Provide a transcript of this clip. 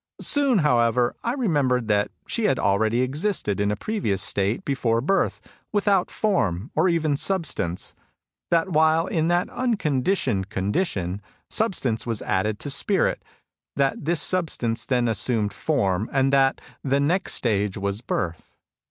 Soon, however, I remembered that she had already existed in a previous state before birth, without form, or even substance ; that while in that unconditioned condition, substance was added to spirit ; that this substance then assumed form ; and that the next stage was birth.